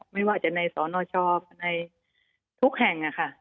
ไม่ว่าจะในสนชในทุกแห่ง